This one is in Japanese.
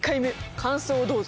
感想どうぞ。